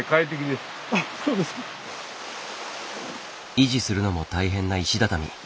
維持するのも大変な石畳。